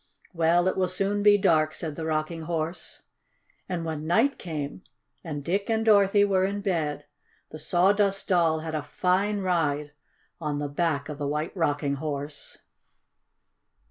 "Well, it will soon be dark," said the Rocking Horse. And when night came, and Dick and Dorothy were in bed, the Sawdust Doll had a fine ride on the back of the White Rocking Horse.